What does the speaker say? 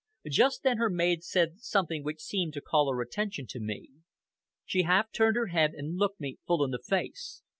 Just then her maid said something which seemed to call her attention to me. She half turned her head and looked me full in the face.